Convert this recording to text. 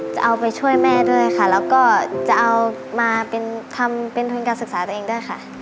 จะเอาไปช่วยแม่ด้วยค่ะแล้วก็จะเอามาเป็นทำเป็นทุนการศึกษาตัวเองด้วยค่ะ